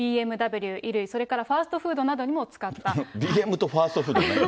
ＢＭＷ、衣類、それからファストフードなどにも使った。